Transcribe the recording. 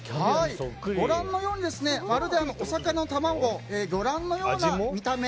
ご覧のように、まるでお魚の卵魚卵のような見た目。